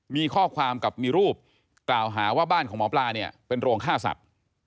มีข้อความกับมีรูปกล่าวหาว่าบ้านของหมอปลาเนี่ยเป็นโรงฆ่าสัตว์